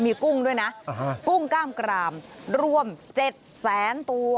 มีกุ้งด้วยนะกุ้งกล้ามกรามรวม๗แสนตัว